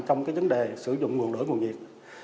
trong vấn đề sử dụng nguồn lửa nguồn nhiệt